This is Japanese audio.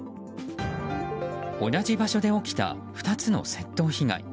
同じ場所で起きた２つの窃盗被害。